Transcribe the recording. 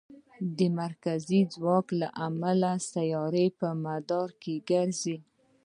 د مرکزي ځواک له امله سیارې په مدار کې ګرځي.